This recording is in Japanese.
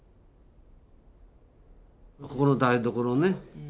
ここの台所ね。